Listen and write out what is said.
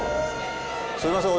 すいません